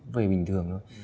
về bình thường